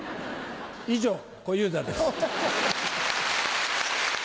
以上小遊三です。